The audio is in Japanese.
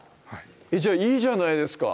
じゃあいいじゃないですか